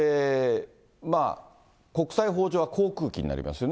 国際法上は航空機になりますよね、